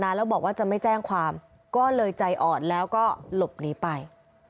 แล้วบอกว่าจะไม่แจ้งความก็เลยใจอ่อนแล้วก็หลบหนีไป